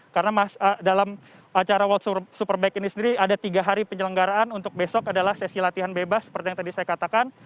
karena dalam acara world superbike ini sendiri ada tiga hari penyelenggaraan untuk besok adalah sesi latihan bebas seperti yang tadi saya katakan